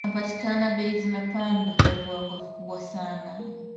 na yanapopatikana bei zimepanda kwa viwango vikubwa sana